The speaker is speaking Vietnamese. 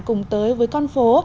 cùng tới với con phố